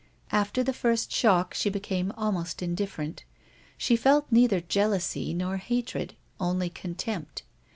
After the first shock she became almost indifferent ; she felt neither jealousy nor hatred, only contempt.